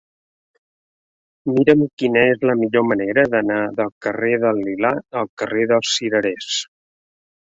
Mira'm quina és la millor manera d'anar del carrer del Lilà al carrer dels Cirerers.